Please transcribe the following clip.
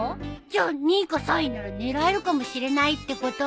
じゃあ２位か３位なら狙えるかもしれないってこと？